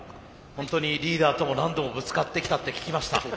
ホントにリーダーとも何度もぶつかってきたって聞きました。